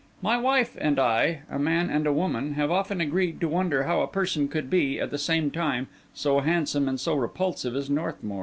My wife and I, a man and a woman, have often agreed to wonder how a person could be, at the same time, so handsome and so repulsive as Northmour.